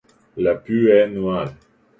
La peau est noire.